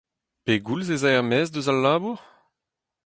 Pegoulz ez a er-maez eus al labour ?